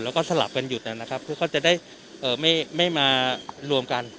เราก็สลับกันหยุดน่ะนะครับคือเขาจะได้เอ่อไม่ไม่มารวมกัน